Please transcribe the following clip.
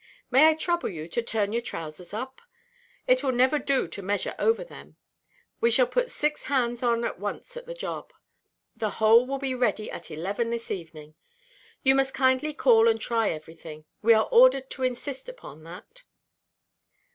May I trouble you to turn your trousers up? It will never do to measure over them. We shall put six hands on at once at the job. The whole will be ready at eleven this evening. You must kindly call and try everything. We are ordered to insist upon that."